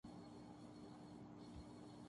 میں نے خیال کیا کہ یہ سب اظہار محبت کے اسالیب ہیں۔